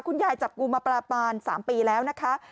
คุณยายจับงูมาปลาปาน๓ปีแล้วนะคะ